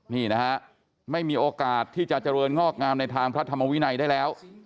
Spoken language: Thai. นี่นะฮะไม่มีโอกาสที่จะเจริญงอกงามในทางพระธรรมวินัยได้แล้ว